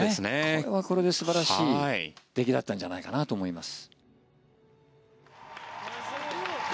これはこれで素晴らしい出来だったんじゃないかと思います。